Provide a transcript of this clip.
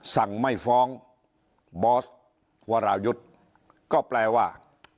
สั่งไม่ฟ้องบอสวรายุทธ์ก็แปลว่า